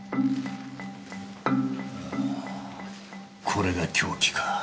これが凶器か。